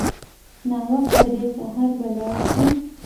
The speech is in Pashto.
ناوخته دی سهار به لاړ شو.